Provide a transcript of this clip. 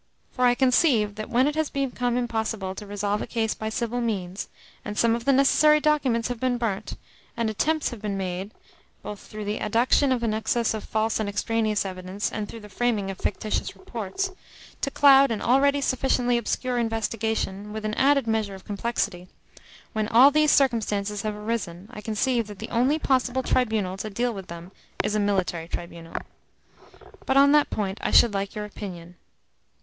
For I conceive that when it has become impossible to resolve a case by civil means, and some of the necessary documents have been burnt, and attempts have been made (both through the adduction of an excess of false and extraneous evidence and through the framing of fictitious reports) to cloud an already sufficiently obscure investigation with an added measure of complexity, when all these circumstances have arisen, I conceive that the only possible tribunal to deal with them is a military tribunal. But on that point I should like your opinion."